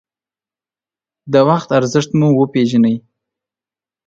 د وخت ارزښت مو وپېژنئ.